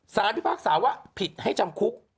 สหรัฐพิพากษาวะผิดให้จำคุก